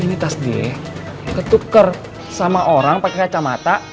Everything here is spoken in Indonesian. ini tas deh ketuker sama orang pakai kacamata